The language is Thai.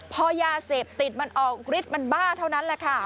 พอยาเสพติดมันออกฤทธิ์มันบ้าเท่านั้นแหละค่ะ